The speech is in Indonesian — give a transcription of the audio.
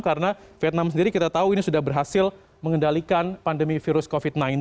karena vietnam sendiri kita tahu ini sudah berhasil mengendalikan pandemi virus covid sembilan belas